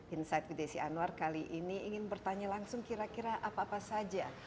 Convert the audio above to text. insight with desi anwar kali ini ingin bertanya langsung kira kira apa apa saja